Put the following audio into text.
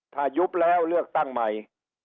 ถ้ายุบแล้วเลือกตั้งใหม่